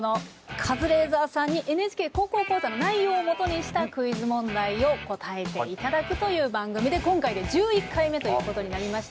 カズレーザーさんに「ＮＨＫ高校講座」の内容をもとにしたクイズ問題を答えていただくという番組で今回で１１回目ということになりました。